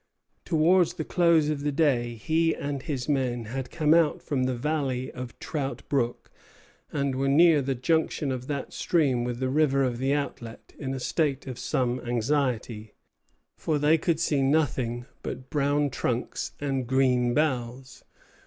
Towards the close of the day he and his men had come out from the valley of Trout Brook, and were near the junction of that stream with the river of the outlet, in a state of some anxiety, for they could see nothing but brown trunks and green boughs.